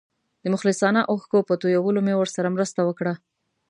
د مخلصانه اوښکو په تویولو مې ورسره مرسته وکړه.